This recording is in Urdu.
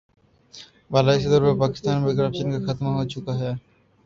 بالائی سطح پر پاکستان میں کرپشن کا خاتمہ ہو چکا ہے